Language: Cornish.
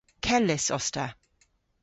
Kellys os ta.